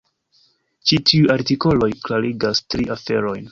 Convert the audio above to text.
Ĉi tiuj artikoloj klarigas tri aferojn.